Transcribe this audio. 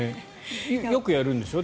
よくやるんでしょ？